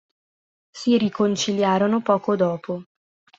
Si riconciliarono poco dopo.